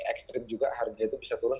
ekstrim juga harga itu bisa turun